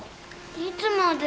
いつまで？